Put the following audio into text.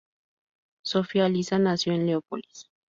Zofia Lissa nació en Leópolis.